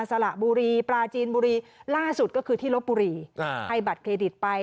สละบุรีปลาจีนบุรีล่าสุดก็คือที่ลบบุรีให้บัตรเครดิตไป